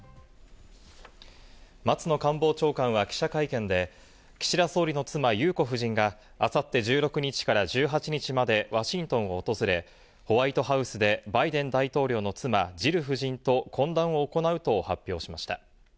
松野官房長官は記者会見で、岸田総理の妻・裕子夫人が明後日１６日から１８日までワシントンを訪れ、ホワイトハウスでバイデン大統領の妻・ジル夫人と懇談を行うと発表しました。